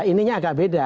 ininya agak beda